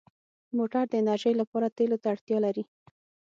موټر د انرژۍ لپاره تېلو ته اړتیا لري.